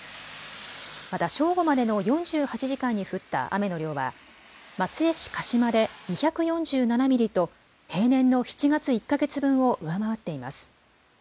また正午までの４８時間に降った雨の量は松江市鹿島で２４７ミリと平年の７月１か月分を上回っています。